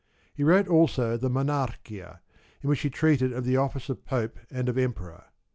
He wrote also the Monarchia, in which he treated of the office of Pope and of Emperor.